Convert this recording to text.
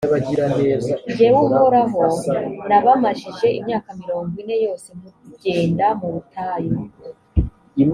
jyewe uhoraho nabamajije imyaka mirongo ine yose mugenda mu butayu: